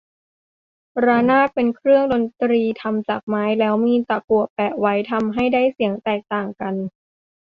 ระนาด เป็นเครื่องดนตรีทำจากไม้ แล้วมีตะกั่วแปะไว้ ทำให้ได้เสียงแตกต่างกัน